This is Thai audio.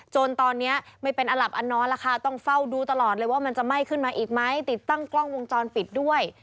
จนตอนนี้ไม่เป็นอหลับอันนอนล่ะค่ะต้องเฝ้าดูตลอดเลยว่ามันจะไหม้ขึ้นมาอีกไหมติดตั้งกล้องวงจรปิดด้วย